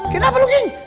kenapa lu keng